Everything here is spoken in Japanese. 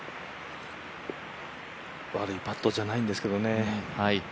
悪いパットじゃないんですけどね。